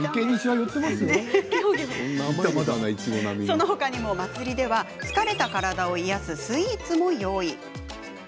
そのほか、祭りでは疲れた体を癒やすスイーツも用意。